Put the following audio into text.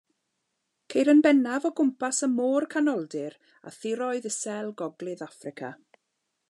Ceir yn bennaf o gwmpas y Môr Canoldir a thiroedd isel Gogledd Affrica.